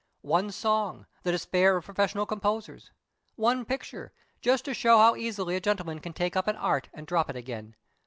One song the despair of professional composers. One picture just to show how easily a gentleman can take up an art and drop it again.